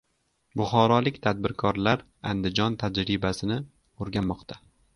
Buxorolik tadbirkorlar Andijon tajribasini o‘rganmoqda